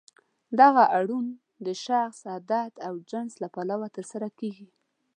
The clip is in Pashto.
دغه اوړون د شخص، عدد او جنس له پلوه ترسره کیږي.